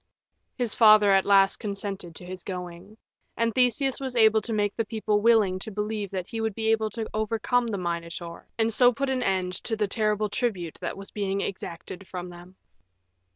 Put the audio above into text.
His father at last consented to his going. And Theseus was able to make the people willing to believe that he would be able to overcome the Minotaur, and so put an end to the terrible tribute that was being exacted from them.